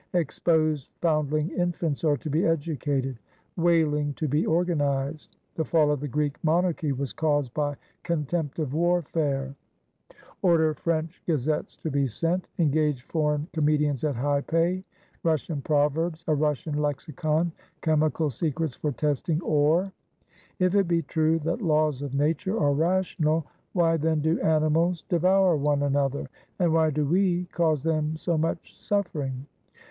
" Exposed foundling infants are to be educated." "Whaling to be organized." " The fall of the Greek Monarchy was caused by con tempt of warfare." 92 A MORNING WITH PETER THE GREAT "Order French Gazettes to be sent." "Engage foreign comedians at high pay." "Russian proverbs. A Russian lexicon." "Chemical secrets for testing ore." "If it be true that laws of nature are rational, why then do animals devour one another? and why do we cause them so much suffering?"